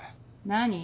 何？